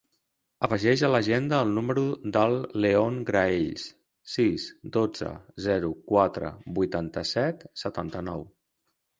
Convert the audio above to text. Afegeix a l'agenda el número del León Graells: sis, dotze, zero, quatre, vuitanta-set, setanta-nou.